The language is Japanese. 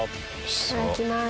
いただきます。